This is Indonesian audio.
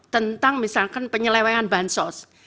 tentang misalkan penyelewengan bahan sos